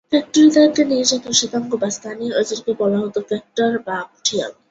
ফ্যাক্টরির দায়িত্বে নিয়োজিত শ্বেতাঙ্গ বা স্থানীয় এজেন্টকে বলা হতো ফ্যাক্টর বা কুঠিয়াল।